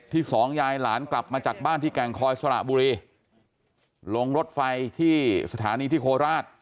สองยายหลานกลับมาจากบ้านที่แก่งคอยสระบุรีลงรถไฟที่สถานีที่โคราช